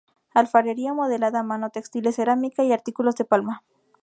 Alfarería modelada a mano, textiles, cerámica y artículos de palma.